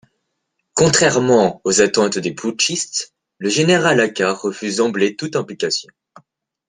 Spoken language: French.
Contrairement aux attentes des putschistes, le général Akar refuse d'emblée toute implication.